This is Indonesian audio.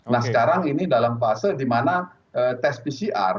nah sekarang ini dalam fase di mana tes pcr